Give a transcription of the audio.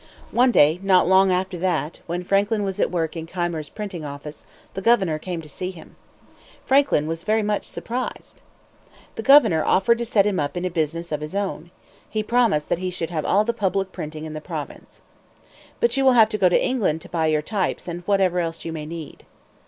One day not long after that, when Franklin was at work in Keimer's printing office, the governor came to see him. Franklin was very much surprised. The governor offered to set him up in a business of his own. He promised that he should have all the public printing in the province. "But you will have to go to England to buy your types and whatever else you may need."